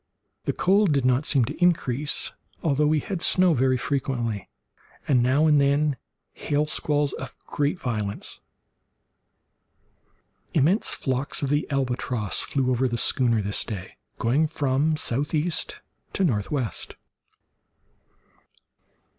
The cold did not seem to increase, although we had snow very frequently, and now and then hail squalls of great violence. Immense flocks of the albatross flew over the schooner this day, going from southeast to northwest.